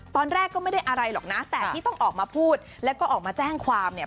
ตอนแรกก็ไม่ได้อะไรหรอกนะแต่ที่ต้องออกมาพูดแล้วก็ออกมาแจ้งความเนี่ย